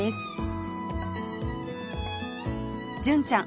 純ちゃん